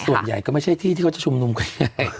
ส่วนใหญ่ก็ไม่ใช่ที่ที่เขาจะชุมนุมกันยังไง